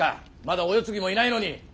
まだお世継ぎもいないのに。